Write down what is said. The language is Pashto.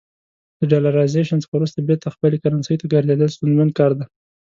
د ډالرایزیشن څخه وروسته بیرته خپلې کرنسۍ ته ګرځېدل ستونزمن کار دی.